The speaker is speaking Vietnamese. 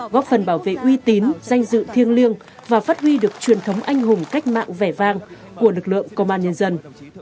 góp phần bảo vệ uy tín danh dự thiêng liêng và phát huy được truyền thống anh hùng cách mạng vẻ vang của lực lượng công an nhân dân